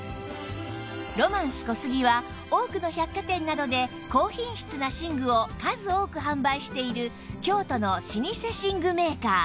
ロマンス小杉は多くの百貨店などで高品質な寝具を数多く販売している京都の老舗寝具メーカー